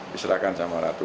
diserahkan sama ratu